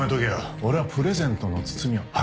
俺はプレゼントの包みを開けてない。